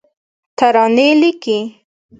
ترانې لیکې